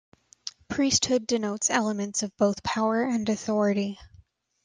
Priesthood denotes elements of both power and authority.